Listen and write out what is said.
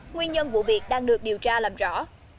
nguyên nhân vụ việc đang được điều tra làm rõ